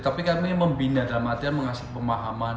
tapi kami membina dalam artian mengasuh pemahaman